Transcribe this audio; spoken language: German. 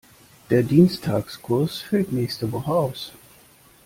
Der Dienstagskurs fällt nächste Woche aus.